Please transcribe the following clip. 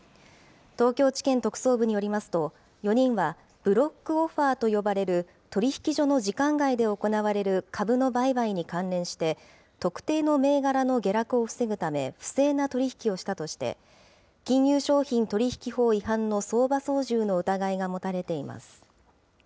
東京地検特捜部によりますと、４人はブロックオファーと呼ばれる、取引所の時間外で行われる株の売買に関連して、特定の銘柄の下落を防ぐため、不正な取り引きをしたとして、金融商品取引法違反の相場操縦の疑いが持たれています。